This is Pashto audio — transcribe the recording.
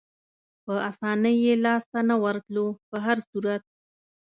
په اسانۍ یې لاسته نه ورتلو، په هر صورت.